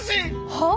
はあ？